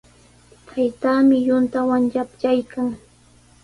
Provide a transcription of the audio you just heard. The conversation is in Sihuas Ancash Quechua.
Taytaami yuntawan yapyaykan.